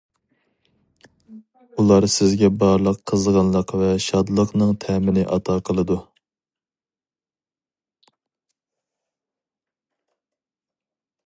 ئۇلار سىزگە بارلىق قىزغىنلىق ۋە شادلىقنىڭ تەمىنى ئاتا قىلىدۇ.